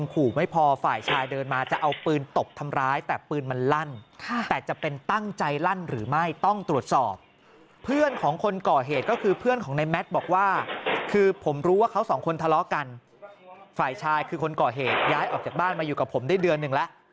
คือผมรู้ว่าเขาสองคนทะเลาะกันฝ่ายชายคือคนก่อเหตุย้ายออกจากบ้านมาอยู่กับผมได้เดือนหนึ่งแล้ว